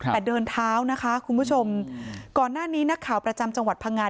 แต่เดินเท้านะคะคุณผู้ชมก่อนหน้านี้นักข่าวประจำจังหวัดพังงา